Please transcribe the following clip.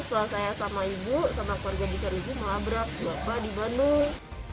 setelah saya sama ibu sama keluarga besar ibu melabrak bapak di bandung